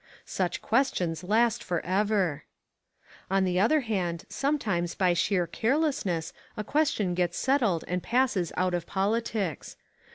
Such questions last forever. On the other hand sometimes by sheer carelessness a question gets settled and passes out of politics.